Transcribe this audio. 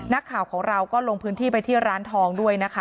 นักข่าวของเราก็ลงพื้นที่ไปที่ร้านทองด้วยนะคะ